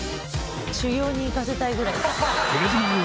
修行に行かせたいぐらい。